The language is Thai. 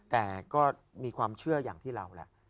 แต่ก็มีความเชื่ออย่างที่เราแหละ